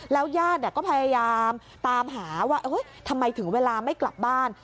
ญาติก็พยายามตามหาว่าทำไมถึงเวลาไม่กลับบ้าน